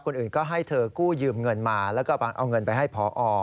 คนอื่นก็ให้เธอกู้ยืมเงินมาแล้วก็เอาเงินไปให้พอ